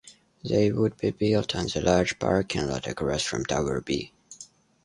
They would be built on the large parking lot across from Tower B.